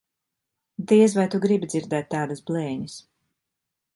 Diez vai tu gribi dzirdēt tādas blēņas.